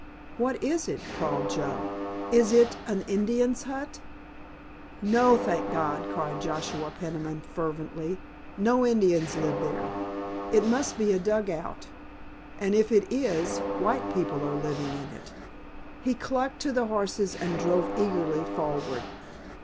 "What is it?" called Joe. "Is it an Indian's hut?" "No, thank God," cried Joshua Peniman fervently; "no Indians live there. It must be a dugout, and if it is white people are living in it." He clucked to the horses and drove eagerly forward.